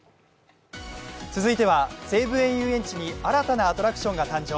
続いては西武園ゆうえんちに新たなアトラクションが誕生。